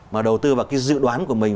mà đầu tư vào dự đoán của mình